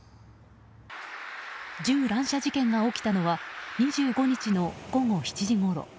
銃乱射事件が起きたのは２５日の午後７時ごろ。